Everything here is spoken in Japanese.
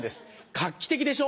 画期的でしょ？